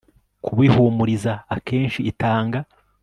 kubihumuriza akenshi itanga